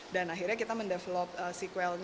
dan iklan kompenari kasihan laxmi